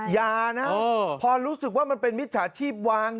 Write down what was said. อย่านะพอรู้สึกว่ามันเป็นมิจฉาชีพวาง